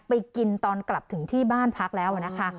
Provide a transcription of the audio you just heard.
ไปกินตอนกลับถึงที่บ้านพักแล้วนะคะ